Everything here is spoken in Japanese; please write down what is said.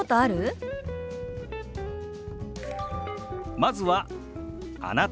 まずは「あなた」。